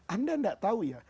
anda tidak tahu ya